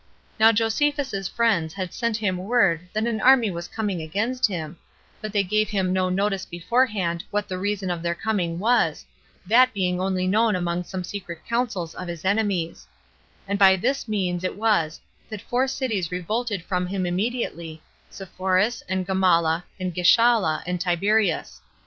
Now Josephus's friends had sent him word that an army was coming against him, but they gave him no notice beforehand what the reason of their coming was, that being only known among some secret councils of his enemies; and by this means it was that four cities revolted from him immediately, Sepphoris, and Gamala, and Gischala, and Tiberias.